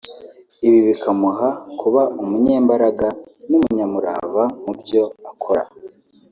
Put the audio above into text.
ibi bikamuha kuba umunyembaraga n’umunyamurava mu byo akora